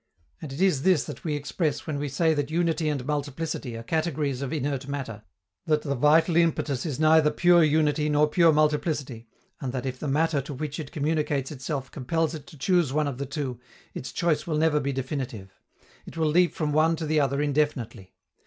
And it is this that we express when we say that unity and multiplicity are categories of inert matter, that the vital impetus is neither pure unity nor pure multiplicity, and that if the matter to which it communicates itself compels it to choose one of the two, its choice will never be definitive: it will leap from one to the other indefinitely.